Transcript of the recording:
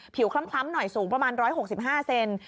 คล้ำหน่อยสูงประมาณ๑๖๕เซน